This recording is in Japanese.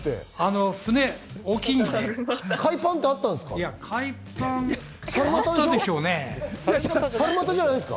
海パンってあったんですか？